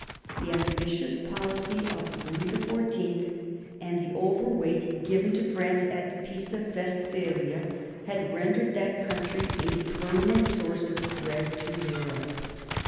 The ambitious policy of Louis XIV. and the overweight given to France at the Peace of Westphalia had rendered that country a permanent source of dread to Europe.